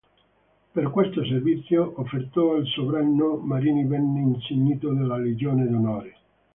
Per questo servizio offerto al sovrano, Marini venne insignito della Legion d'Onore.